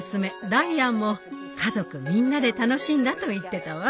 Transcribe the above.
ダイアンも「家族みんなで楽しんだ」と言ってたわ。